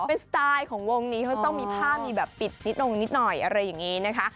เป็นสไตล์ของวงนี้เขาต้องมีผ้ามีแบบปิดนิดนงนิดหน่อยอะไรอย่างนี้นะคะ